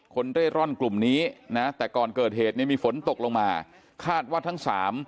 เร่ร่อนกลุ่มนี้นะแต่ก่อนเกิดเหตุเนี่ยมีฝนตกลงมาคาดว่าทั้งสาม